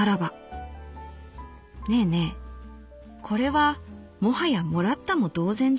『ねえねえこれはもはやもらったも同然じゃない？』」。